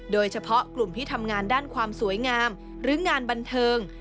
โดยเฉพาะกลุ่มที่ทำงานด้านความสวยงามหรืองานบันเทิง